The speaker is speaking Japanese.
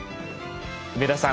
梅田さん